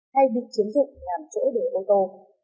hay bị chiếm dụng làm chỗ để ô tô